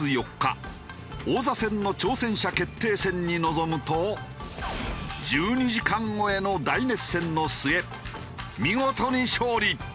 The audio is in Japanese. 王座戦の挑戦者決定戦に臨むと１２時間超えの大熱戦の末見事に勝利。